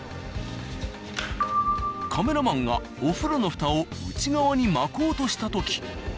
カメラマンがお風呂の蓋を内側に巻こうとした時。